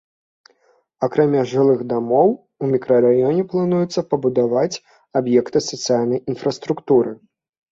Акрамя жылых дамоў, у мікрараёне плануецца пабудаваць аб'екты сацыяльнай інфраструктуры.